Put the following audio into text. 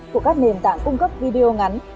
của các nền tảng cung cấp video ngắn